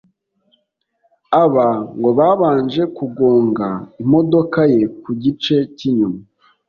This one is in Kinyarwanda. Aba ngo babanje kugonga imodoka ye ku gice cy’inyuma